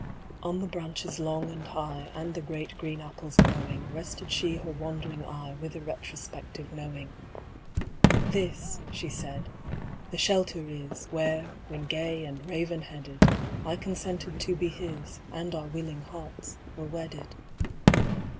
On the branches long and high, And the great green apples growing, Rested she her wandering eye, With a retrospective knowing. "This," she said, "the shelter is, Where, when gay and raven headed, I consented to be his, And our willing hearts were wedded.